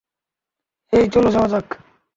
হেই চলো যাওয়া যাক।